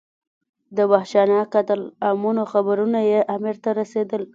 د وحشیانه قتل عامونو خبرونه یې امیر ته رسېدل.